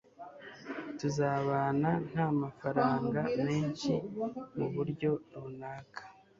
Tuzabana nta mafaranga menshi muburyo runaka